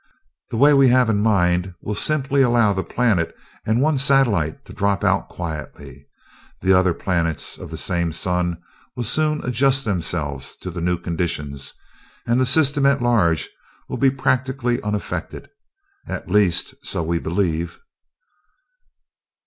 The way we have in mind will simply allow the planet and one satellite to drop out quietly the other planets of the same sun will soon adjust themselves to the new conditions, and the system at large will be practically unaffected at least, so we believe."